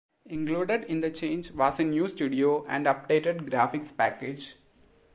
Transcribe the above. Included in the change was a new studio and updated graphics package.